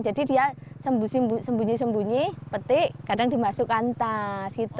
jadi dia sembunyi sembunyi petik kadang dimasukkan tas gitu